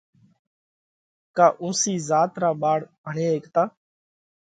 ڪا اُونسِي ذات را ٻاۯ ڀڻي هيڪتا۔